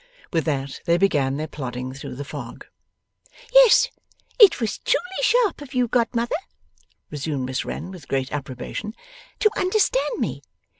With that they began their plodding through the fog. 'Yes, it was truly sharp of you, godmother,' resumed Miss Wren with great approbation, 'to understand me.